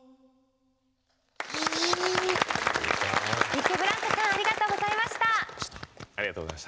ビッケブランカさんありがとうございました。